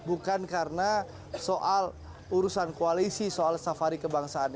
bukan karena soal urusan koalisi soal safari kebangsaan